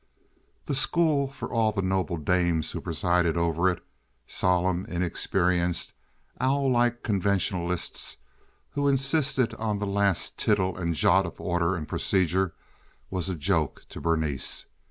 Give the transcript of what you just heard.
The school, for all the noble dames who presided over it—solemn, inexperienced owl like conventionalists who insisted on the last tittle and jot of order and procedure—was a joke to Berenice.